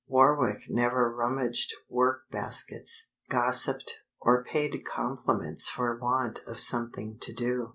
Warwick never rummaged work baskets, gossipped, or paid compliments for want of something to do.